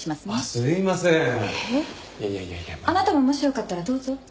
あなたももしよかったらどうぞ。